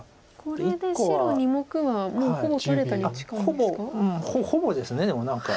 これで白２目はもうほぼ取れたに近いんですか？